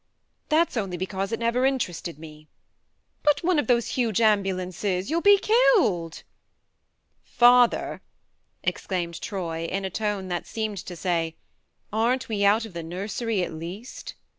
That's only because it never inter ested me." " But one of those huge ambulances you'll be killed!" " Father !" exclaimed Troy, in a tone that seemed to say :" Aren't we out of the nursery, at least